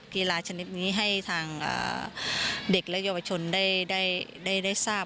กีฬาชนิดนี้ให้ทางเด็กและเยาวชนได้ทราบ